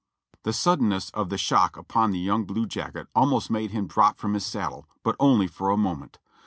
The suddenness of the shock upon that young blue jacket almost made him drop from his saddle, but only for a moment.